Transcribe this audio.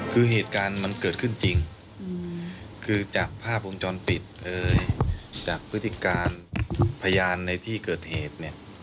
คือเหตุการณ์มันเกิดขึ้นจริงคือจากภาพวงจรปิดจากพฤติการพยานในที่เกิดเหตุเนี่ย